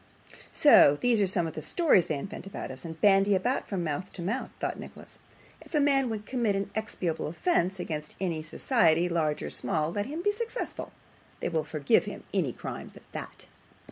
'So these are some of the stories they invent about us, and bandy from mouth to mouth!' thought Nicholas. 'If a man would commit an inexpiable offence against any society, large or small, let him be successful. They will forgive him any crime but that.